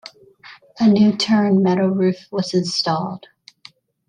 A new terne metal roof was installed.